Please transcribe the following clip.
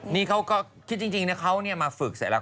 นี่เขาก็คิดจริงนะเขาเนี่ยมาฝึก